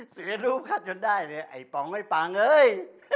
เสียรูปเขาจนได้เลยไอ้ป๋องไอ้ปางเอ้ย